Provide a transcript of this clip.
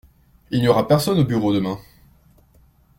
Il n’y aura personne au bureau demain.